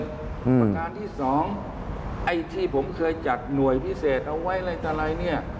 ประการที่สองไอ้ที่ผมเคยจัดหน่วยพิเศษเอาไว้อะไรต่ออะไรเนี่ย